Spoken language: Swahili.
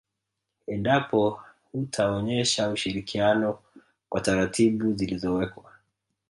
Endapo hutaonyesha ushirikiano kwa taratibu zilizowekwa